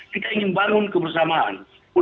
kita ingin bangun kebersamaan